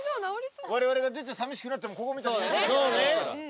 われわれが出てさみしくなってもここ見たら。